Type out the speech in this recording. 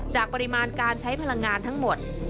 ปริมาณการใช้พลังงานทั้งหมด